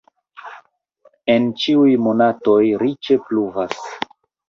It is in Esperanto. En ĉiuj monatoj riĉe pluvas.